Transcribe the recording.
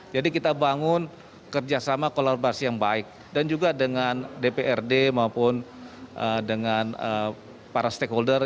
jadi kita bangun kerjasama kolaborasi yang baik dan juga dengan dprd maupun dengan para stakeholder